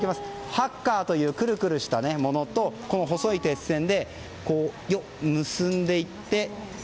ハッカーというクルクルしたものと細い鉄線を結んでいって。